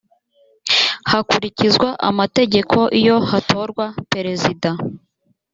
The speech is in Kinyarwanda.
hakurikizwa amategeko iyo hatorwa perezida